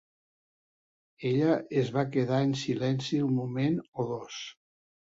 Ella es va quedar en silenci un moment o dos.